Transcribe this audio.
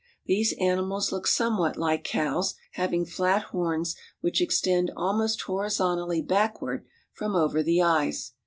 These ani mals look somewhat like cows, having flat horns which extend almost horizontally backward from over the eyes.